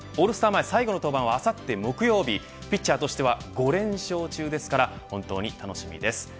前最後の登板はあさって木曜日ピッチャーとしては５連勝中なので本当に楽しみです。